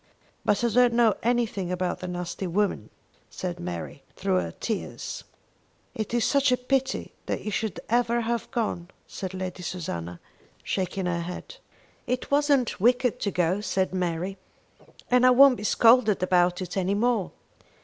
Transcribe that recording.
"But I don't know anything about the nasty women!" said Mary, through her tears. "It is such a pity that you should ever have gone," said Lady Susanna, shaking her head. "It wasn't wicked to go," said Mary, "and I won't be scolded about it any more.